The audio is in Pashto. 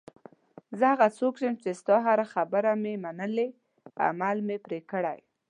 زه هغه څوک یم چې ستا هره خبره مې منلې، عمل مې پرې کړی.